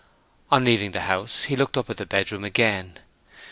On leaving the house he looked up at the bedroom again.